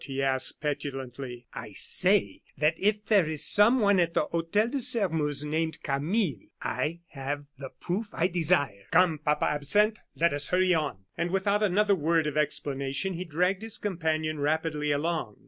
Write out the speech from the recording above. he asked, petulantly. "I say that if there is someone at the Hotel de Sairmeuse named Camille, I have the proof I desire. Come, Papa Absinthe, let us hurry on." And without another word of explanation, he dragged his companion rapidly along.